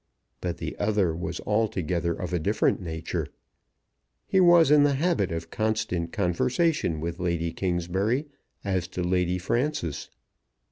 But the other was altogether of a different nature. He was in the habit of constant conversation with Lady Kingsbury as to Lady Frances.